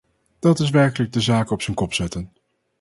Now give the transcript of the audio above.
Dat is werkelijk de zaken op zijn kop zetten.